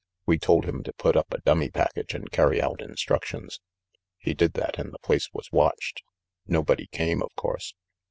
We told him to put up a dummy package and carry out instructions. He did that and the place was watched. Nobody came, of course.